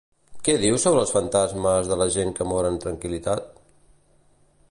Què diu sobre els fantasmes de la gent que mor amb tranquil·litat?